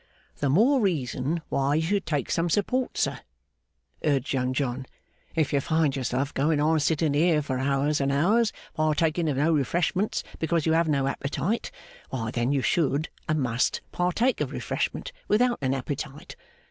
'The more reason why you should take some support, sir,' urged Young John. 'If you find yourself going on sitting here for hours and hours partaking of no refreshment because you have no appetite, why then you should and must partake of refreshment without an appetite.